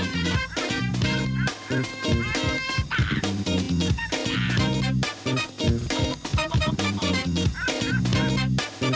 สวัสดีค่ะ